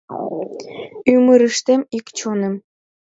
Ӱмырыштем ик чоным